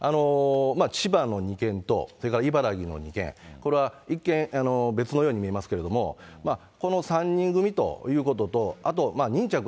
千葉の２件と、それから茨城の２件、これは一見、別のように見えますけれども、この３人組ということと、あとにんちゃくが